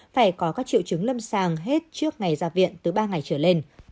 phải có các triệu chứng lâm sàng hết trước ngày ra viện từ ba ngày trở lên